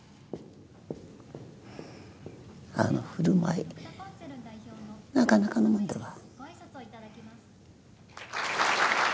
あの振る舞いなかなかのもんだわ。